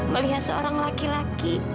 melihat seorang laki laki